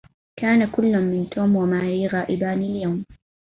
كان كلا من توم وماري غائبان اليوم.